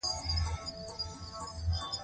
د حیواناتو روزنه باید د تغذیې او درملنې جدول ولري.